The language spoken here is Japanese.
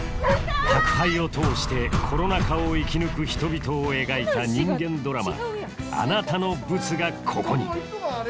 宅配を通してコロナ禍を生き抜く人々を描いた人間ドラマ「あなたのブツが、ここに」